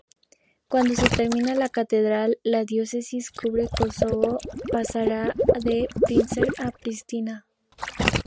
Cuando se termine la catedral, la diócesis cubre Kosovo pasará de Prizren a Pristina.